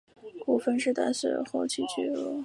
古坟时代虽有后期聚落。